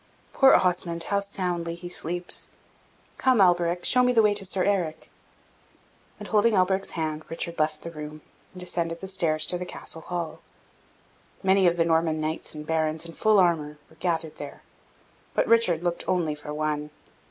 Poor Osmond, how soundly he sleeps! Come, Alberic, show me the way to Sir Eric!" And, holding Alberic's hand, Richard left the room, and descended the stairs to the Castle hall. Many of the Norman knights and barons, in full armour, were gathered there; but Richard looked only for one.